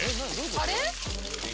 あれ？